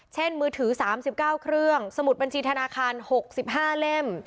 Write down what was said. มือถือ๓๙เครื่องสมุดบัญชีธนาคาร๖๕เล่ม